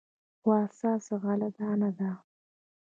خو اساس غله دانه ده.